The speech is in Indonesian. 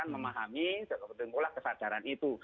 memahami dan kebetulan kesadaran itu